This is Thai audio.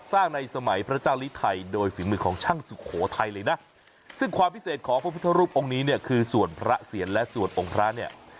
ในสมัยพระเจ้าลิไทยโดยฝีมือของช่างสุโขทัยเลยนะซึ่งความพิเศษของพระพุทธรูปองค์นี้เนี่ยคือส่วนพระเสียรและสวดองค์พระเนี่ย